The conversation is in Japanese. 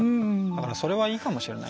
それはいいかもしれない。